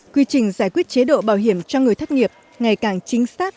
quy trình giải quyết chế độ bảo hiểm cho người thất nghiệp ngày càng chính xác